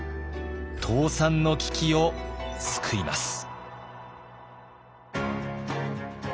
倒産の危機を救います。